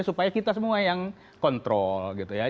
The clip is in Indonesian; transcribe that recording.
supaya kita semua yang kontrol gitu ya